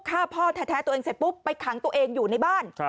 ฆ่าพ่อแท้ตัวเองเสร็จปุ๊บไปขังตัวเองอยู่ในบ้าน